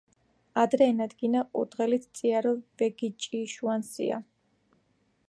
ადრე ენადგინა ჸურდგელც წიარი ვეგიოჭიშუანსია